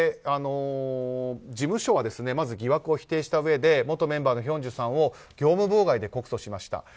事務所はまず疑惑を否定したうえで元メンバーのヒョンジュさんを業務妨害で告訴しました。